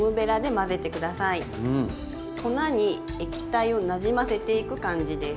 粉に液体をなじませていく感じです。